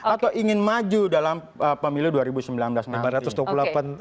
atau ingin maju dalam pemilu dua ribu sembilan belas nih